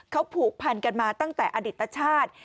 เขาผูกพันกันมาตั้งแต่อดิตชาติ